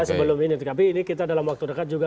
sebelum ini tetapi ini kita dalam waktu dekat juga